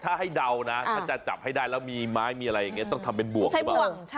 ถ้าให้เดานะถ้าจะจับให้ได้แล้วมีไม้มีอะไรอย่างนี้ต้องทำเป็นบวกหรือเปล่า